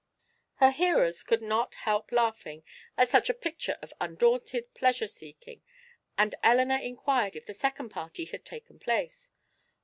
Her hearers could not help laughing at such a picture of undaunted pleasure seeking, and Elinor inquired if the second party had taken place.